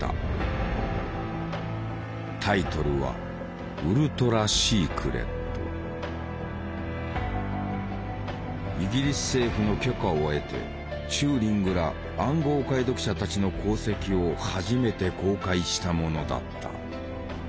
タイトルはイギリス政府の許可を得てチューリングら暗号解読者たちの功績を初めて公開したものだった。